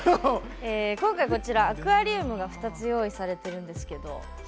今回、こちらアクアリウムが２つ用意されてるんですけど。